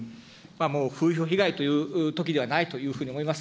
もう風評被害というときではないというふうに思います。